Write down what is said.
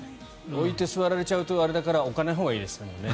置いて座られちゃうとあれだから置かないほうがいいですね。